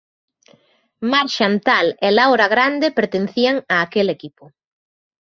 Mar Xantal e Laura Grande pertencían a aquel equipo.